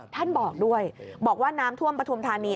ท่านบอกด้วยบอกว่าน้ำท่วมปฐุมธานี